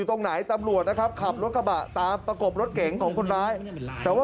ตอนนี้ก็ยิ่งแล้ว